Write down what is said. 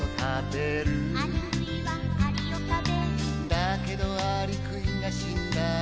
「だけどアリクイが死んだら」